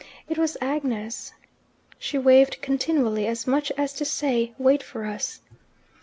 It was Agnes. She waved continually, as much as to say, "Wait for us."